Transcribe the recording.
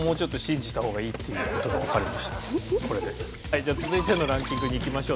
じゃあ続いてのランキングにいきましょう。